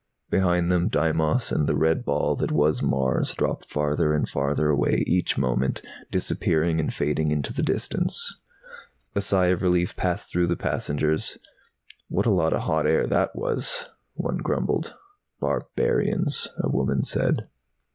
Behind them Deimos and the red ball that was Mars dropped farther and farther away each moment, disappearing and fading into the distance. A sigh of relief passed through the passengers. "What a lot of hot air that was," one grumbled. "Barbarians!" a woman said.